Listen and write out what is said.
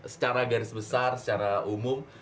secara garis besar secara umum